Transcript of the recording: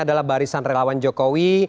adalah barisan relawan jokowi